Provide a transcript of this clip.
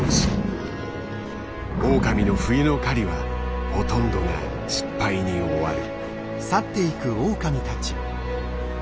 オオカミの冬の狩りはほとんどが失敗に終わる。